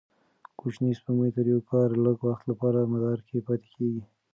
کوچنۍ سپوږمۍ تر یوه کال لږ وخت لپاره مدار کې پاتې کېږي.